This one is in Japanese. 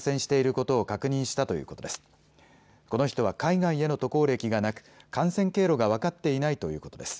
この人は海外への渡航歴がなく感染経路が分かっていないということです。